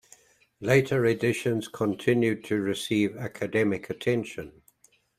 Later editions continued to receive academic attention.